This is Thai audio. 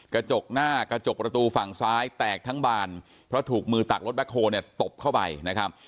กระจกหน้ากระจกประตูฝั่งซ้ายแตกทั้งบานเพราะถูกมือตักรถแคคโฮเนี่ยตบเข้าไปนะครับ